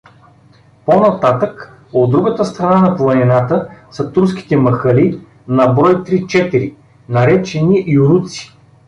По-нататък, от другата страна на планината, са турските махали, на брой три-четири, наречени Юруци.